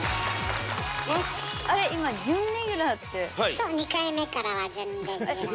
そう２回目からは準レギュラー。